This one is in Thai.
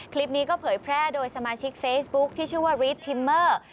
คลิปนี้ก็เผยแพร่โดยสมาชิกเฟซบุ๊คที่ชื่อว่ารีสทิมเมอร์